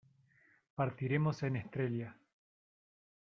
partiremos en estrella.